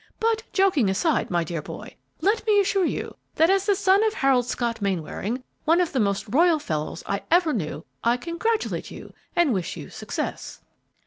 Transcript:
But, joking aside, my dear boy, let me assure you that as the son of Harold Scott Mainwaring, one of the most royal fellows I ever knew, I congratulate you and wish you success."